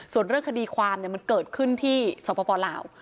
ส่วนเรื่องคดีความมันเกิดขึ้นที่สปลาว